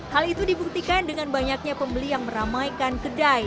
hal itu dibuktikan dengan banyaknya pembeli yang meramaikan kedai